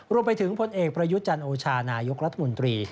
รวมไปถึงพลเอกประยุทธ์จันโอชานายกรัฐมนตรี